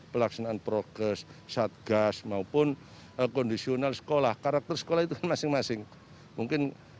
pelaksanaan prokes satgas maupun kondisional sekolah karakter sekolah itu masing masing mungkin